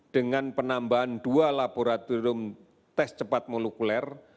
dengan penambahan dua laboratorium tes cepat molekuler